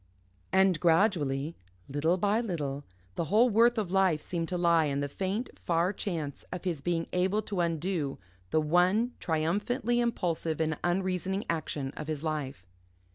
And gradually, little by little, the whole worth of life seemed to lie in the faint, far chance of his being able to undo the one triumphantly impulsive and unreasoning action of his life.